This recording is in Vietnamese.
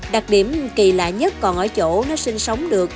đặc điểm kỳ lạ nhất còn ở chỗ nó sinh sống được